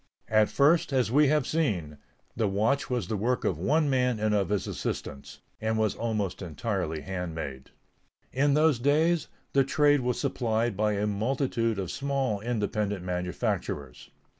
At first, as we have seen, the watch was the work of one man and of his assistants, and was almost entirely handmade. In those days, the trade was supplied by a multitude of small independent manufacturers.